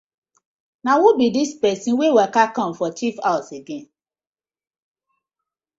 Na who bi dis pesin wey waka com for chief haws again.